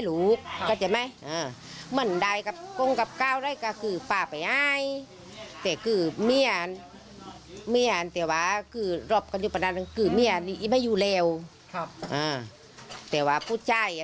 รู้ตัวอีกทีเกิดเรื่องไปแล้วไง